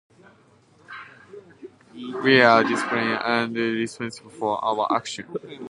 We are discipline and responsible for our actions.